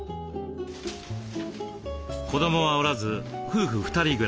子どもはおらず夫婦２人暮らし。